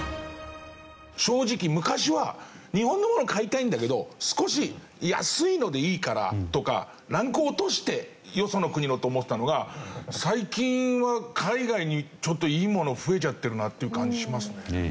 正直昔は日本のものを買いたいんだけど少し安いのでいいからとかランクを落としてよその国のと思ってたのが最近は海外にちょっといいもの増えちゃってるなっていう感じしますね。